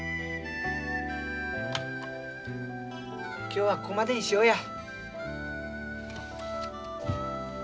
今日はここまでにしようや。